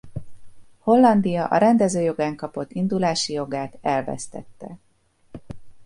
Hollandia a rendező jogán kapott indulási jogát elvesztette.